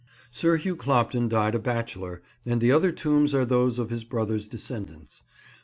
Sir Hugh Clopton died a bachelor, and the other tombs are those of his brother's descendants.